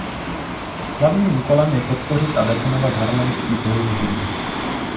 Hlavním úkolem je podpořit a definovat harmonický pohyb hudby.